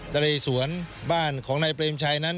เลสวนบ้านของนายเปรมชัยนั้น